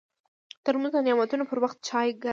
ترموز د نعتونو پر وخت چای ګرم ساتي.